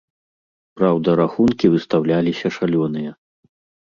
Праўда, рахункі выстаўляліся шалёныя.